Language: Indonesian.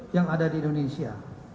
yang ada di indonesia